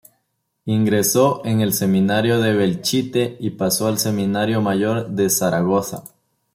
Ingresó en el Seminario de Belchite y pasó al Seminario mayor de Zaragoza.